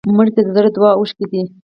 مړه ته د زړه دعا اوښکې دي